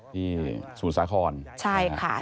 ที่ศูนย์สาขอนใช่ค่ะ